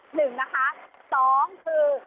หนึ่งนะคะสองคือ